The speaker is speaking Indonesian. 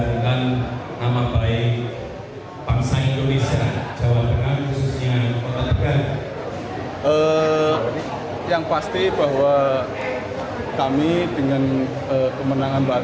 kejuaraan dunia pencaksilat world championship malaysia dua ribu dua puluh dua diikuti oleh dua puluh lima negara